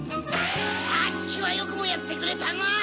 さっきはよくもやってくれたな！